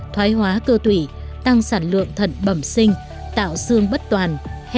thoái hóa cơ tủy tăng sản lượng thận bẩm sinh tạo xương bất toàn